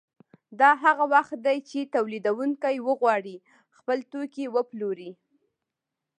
دا هغه وخت دی چې تولیدونکي وغواړي خپل توکي وپلوري